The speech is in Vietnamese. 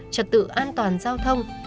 trật tự an toàn giao thông